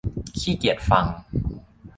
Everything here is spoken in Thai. ขี้เกียจฟัง